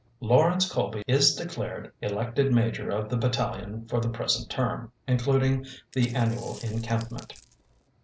"Lawrence Colby is declared elected major of the battalion for the present term, including the annual encampment."